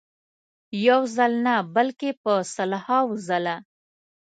یو ځل نه بلکې په سلهاوو ځله.